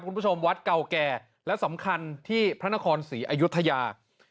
คุณผู้ชมวัดเก่าแก่และสำคัญที่พระนครศรีอายุทยา